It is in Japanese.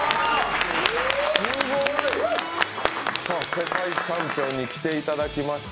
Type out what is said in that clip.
世界チャンピオンに来ていただきました。